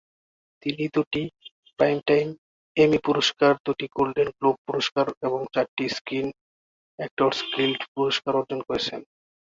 তিনি দুটি প্রাইমটাইম এমি পুরস্কার, দুটি গোল্ডেন গ্লোব পুরস্কার, এবং চারটি স্ক্রিন অ্যাক্টরস গিল্ড পুরস্কার অর্জন করেছেন।